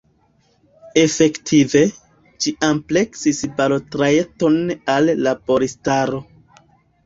Efektive, ĝi ampleksis balotrajton al laboristaro.